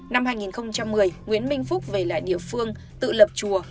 năm hai nghìn một mươi nguyễn minh phúc về lại địa phương tự lập chùa